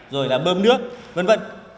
rồi là bơm nước v v